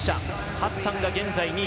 ハッサンが現在、２位。